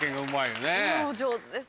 上手です。